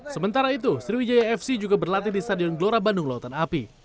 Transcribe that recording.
sementara itu sriwijaya fc juga berlatih di stadion gelora bandung lautan api